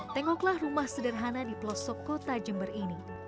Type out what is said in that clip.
tengoklah rumah sederhana di pelosok kota jember ini